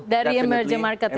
dari emerging market ya